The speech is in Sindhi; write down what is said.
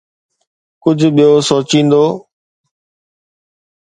ڪجهه ٻيو سوچيندو